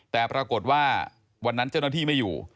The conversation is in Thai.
แต่ปรากฏว่าวันนั้นเจ้าหน้าที่ไม่อยู่